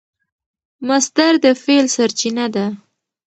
مصدر د فعل سرچینه ده.